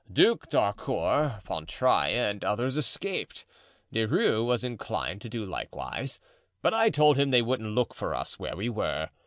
Duc d'Harcourt, Fontrailles, and the others escaped; De Rieux was inclined to do likewise, but I told him they wouldn't look for us where we were.